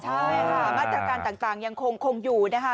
ใช่ค่ะมาตรการต่างยังคงอยู่นะคะ